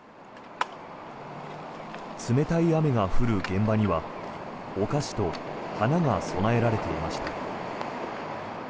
冷たい雨が降る現場にはお菓子と花が供えられていました。